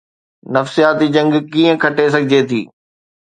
نفسياتي جنگ ڪيئن کٽي سگهجي ٿي؟